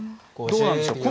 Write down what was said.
どうなんでしょう。